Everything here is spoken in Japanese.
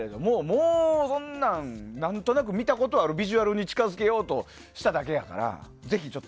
もうそんなん、何となく見たことあるビジュアルに近づけようとしただけだから。